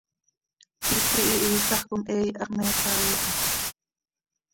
Hipi hihiisax com he iihax me caai ha.